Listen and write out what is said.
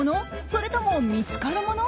それとも見つかるもの？